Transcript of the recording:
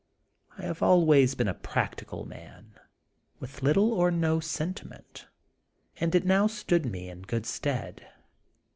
I have always been a practical man, with little or no sentiment, and it now stood me in good stead.